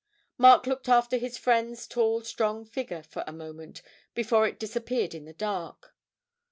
Mark looked after his friend's tall strong figure for a moment before it disappeared in the dark.